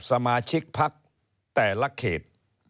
สมาชิกพักแต่ละเขต